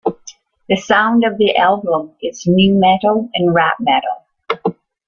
The sound of the album is nu metal and rap metal.